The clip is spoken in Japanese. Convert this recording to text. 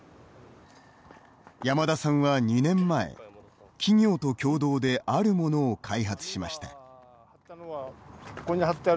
山田さんは２年前、企業と共同であるものを開発しました。